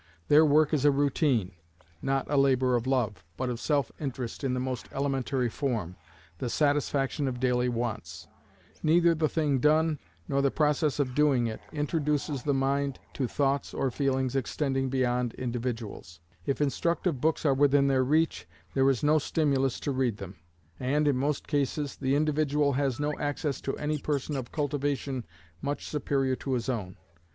Their work is a routine; not a labor of love, but of self interest in the most elementary form, the satisfaction of daily wants; neither the thing done, nor the process of doing it, introduces the mind to thoughts or feelings extending beyond individuals; if instructive books are within their reach, there is no stimulus to read them; and, in most cases, the individual has no access to any person of cultivation much superior to his own.